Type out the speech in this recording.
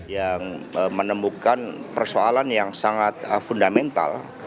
yang menemukan persoalan yang sangat fundamental